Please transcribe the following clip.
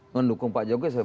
mendukung pak jokowi sebagai